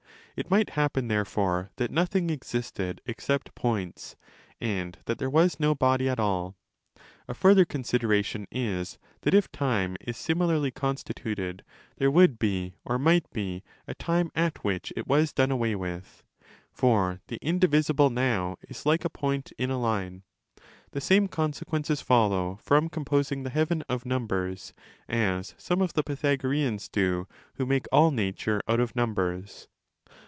It might happen therefore that nothing existed except points, and that there was no body at all. A further con sideration is that if time is similarly constituted, there would be, or might be, a time at which it was done away with. For 15 the indivisible now is like a point ina line. The same conse quences follow from composing the heaven of numbers, as some of the Pythagoreans do who make all nature out of numbers.